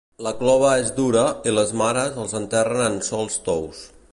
La clova és dura i les mares els enterren en sòls tous.